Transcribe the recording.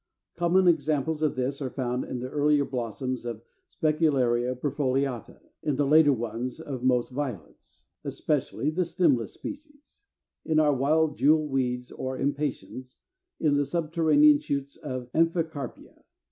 Common examples of this are found in the earlier blossoms of Specularia perfoliata, in the later ones of most Violets, especially the stemless species, in our wild Jewel weeds or Impatiens, in the subterranean shoots of Amphicarpæa.